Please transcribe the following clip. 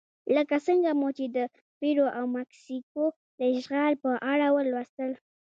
لکه څنګه مو چې د پیرو او مکسیکو د اشغال په اړه ولوستل.